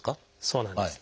そうなんです。